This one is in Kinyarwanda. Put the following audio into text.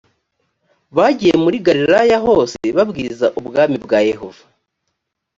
bagiye muri galilaya hose babwiriza ubwami bwa yehova